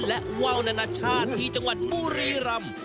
และว่าวนานาชาติที่จังหวัดบุรีรำ